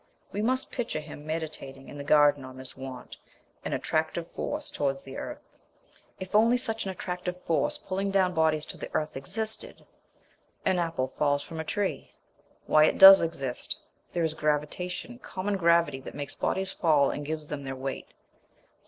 We must picture him meditating in his garden on this want an attractive force towards the earth. If only such an attractive force pulling down bodies to the earth existed. An apple falls from a tree. Why, it does exist! There is gravitation, common gravity that makes bodies fall and gives them their weight.